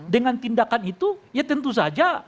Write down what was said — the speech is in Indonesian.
dengan tindakan itu ya tentu saja